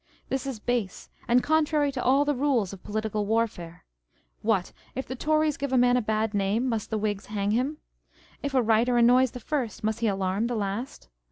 This is base, and contrary to all the rules of political warfare. What ! if the Tories give a man a bad name, must the Whigs hang him ? If a writer annoys the first, must he alarm the last